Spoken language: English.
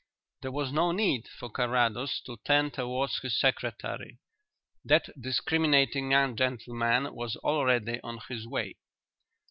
There was no need for Carrados to turn towards his secretary; that discriminating young gentleman was already on his way.